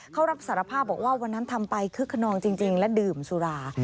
เขารับสารภาพบอกว่าวันนั้นทำไปคึกขนองจริงและดื่มสุรา